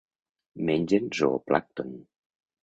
Mengen zooplàncton.